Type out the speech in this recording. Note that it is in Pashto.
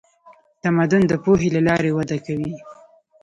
تمدن د پوهې له لارې وده کوي.